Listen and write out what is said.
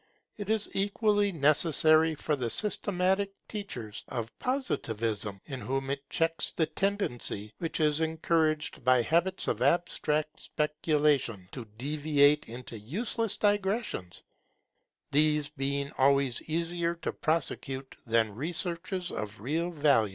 It is equally necessary for the systematic teachers of Positivism, in whom it checks the tendency, which is encouraged by habits of abstract speculation, to deviate into useless digressions; these being always easier to prosecute than researches of real value.